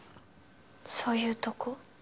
そういうとこ？